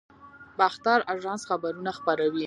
باختر اژانس خبرونه خپروي